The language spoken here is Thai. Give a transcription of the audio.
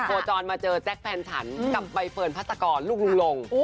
โคจรมาเจอแจ๊คแฟนฉันกับใบเฟิร์นพัศกรลูกลุงลง